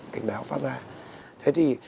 cảnh báo phát ra thế thì